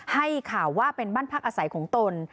ให้ข่าวว่าเป็นบ้านพักอาศัยของตน